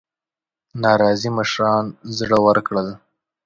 ناراضي مشران زړه ورکړل.